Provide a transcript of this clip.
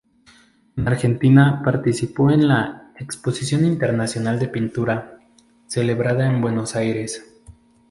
En Argentina participó en la "Exposición Internacional de Pintura" celebrada en Buenos Aires.